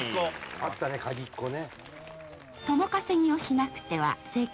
あったねカギっ子ね。